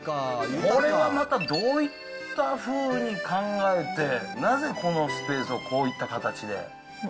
これはまた、どういったふうに考えて、なぜ、このスペースをこういった形で。